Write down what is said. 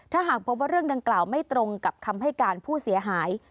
ถ้าหากพบว่าเรื่องดังกล่าวไม่ตรงกับคำให้การผู้เสียหาย